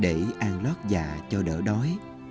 để ăn lót dạ cho đỡ đói